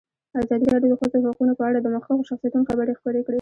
ازادي راډیو د د ښځو حقونه په اړه د مخکښو شخصیتونو خبرې خپرې کړي.